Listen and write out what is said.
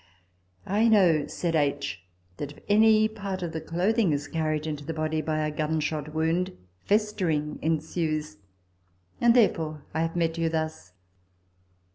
" I know," said H., " that if any part of the clothing is carried into the body by a gunshot wound, festering ensues ; and there fore I have met you thus."